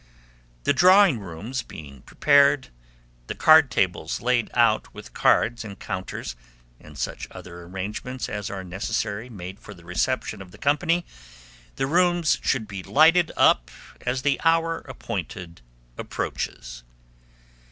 The drawing rooms being prepared, the card tables laid out with cards and counters, and such other arrangements as are necessary made for the reception of the company, the rooms should be lighted up as the hour appointed approaches.